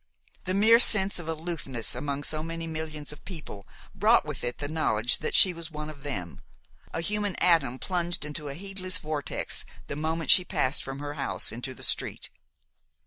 The mere sense of aloofness among so many millions of people brought with it the knowledge that she was one of them, a human atom plunged into a heedless vortex the moment she passed from her house into the street.